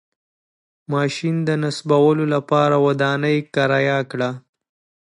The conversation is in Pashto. ماشین د نصبولو لپاره ودانۍ کرایه کړه.